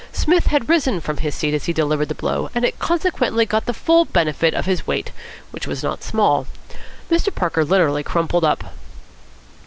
Psmith had risen from his seat as he delivered the blow, and it consequently got the full benefit of his weight, which was not small. Mr. Parker literally crumpled up.